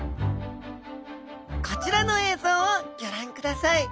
こちらの映像をギョ覧ください。